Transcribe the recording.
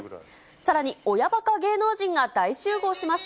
さらに親バカ芸能人が大集合します。